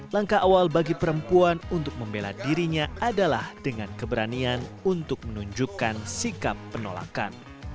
langkah awal bagi perempuan untuk membela dirinya adalah dengan keberanian untuk menunjukkan sikap penolakan